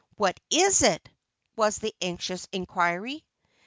"What is it?" was the anxious inquiry.